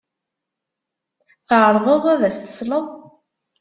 Tɛerḍeḍ ad as-tesleḍ?